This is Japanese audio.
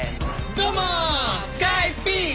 どうもスカイピース！